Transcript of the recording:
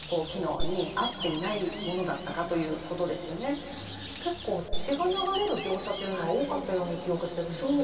それからどれだけ結構血が流れる描写というのが多かったように記憶してるんですが。